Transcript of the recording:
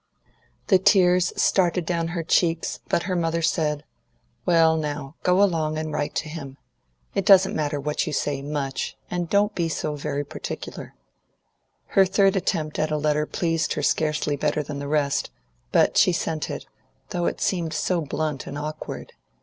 The tears started down her cheeks, but her mother said, "Well, now, go along, and write to him. It don't matter what you say, much; and don't be so very particular." Her third attempt at a letter pleased her scarcely better than the rest, but she sent it, though it seemed so blunt and awkward.